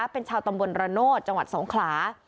เป็นชาวตำบลระโนธจังหวัดสงขลา